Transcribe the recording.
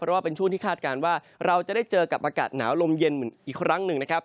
เพราะว่าเป็นช่วงที่คาดการณ์ว่าเราจะได้เจอกับอากาศหนาวลมเย็นเหมือนอีกครั้งหนึ่งนะครับ